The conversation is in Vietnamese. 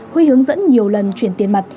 huy hướng dẫn nhiều lần chuyển tiền mặt